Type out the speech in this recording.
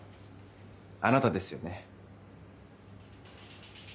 あなたですよね？